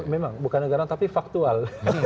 memang bukan negara tapi faktual